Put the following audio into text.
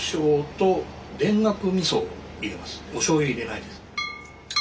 おしょうゆ入れないです。